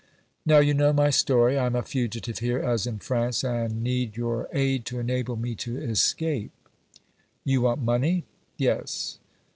Now, you know my story. I am a fugitive here as in France, and need your aid to enable me to escape." "You want money?" "Yes."